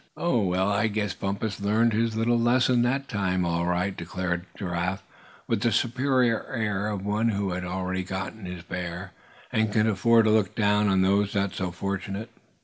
"Oh! well, I guess Bumpus learned his little lesson that time, all right," declared Giraffe, with the superior air of one who had already gotten his bear, and could afford to look down on those not so fortunate.